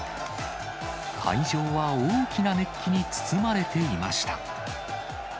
会場は大きな熱気に包まれていました。